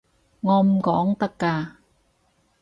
我唔講得㗎